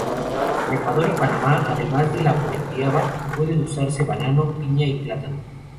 En Ecuador y Panamá, además de la guayaba puede usarse banano, piña y plátano.